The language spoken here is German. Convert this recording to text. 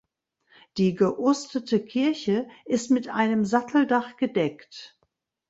Die geostete Kirche ist mit einem Satteldach gedeckt.